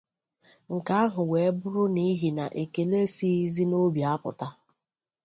Nke ahụ wee bụrụ n'ihi na ekele esighịzị n'obi apụta.